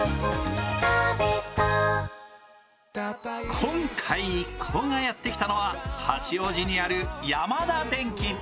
今回、一行がやってきたのは八王子にあるヤマダデンキ。